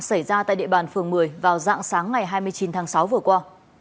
xảy ra tại địa bàn phường một mươi vào dạng sáng ngày hai mươi chín tháng sáu vừa qua